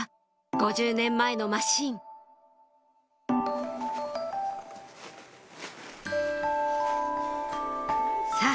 ５０年前のマシンさぁ